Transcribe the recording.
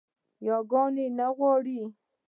يا کول نۀ غواړي